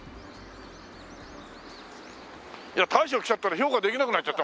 いや大将来ちゃったら評価できなくなっちゃった